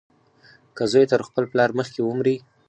که زوى تر خپل پلار مخکې ومري.